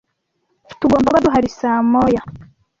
Tugomba kuba duhari saa moya